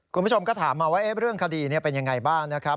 คุณผู้ชมก็ถามมาว่าเรื่องคดีเป็นยังไงบ้างนะครับ